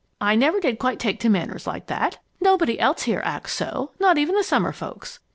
I never did quite take to manners like that. Nobody else here acts so not even the summer folks.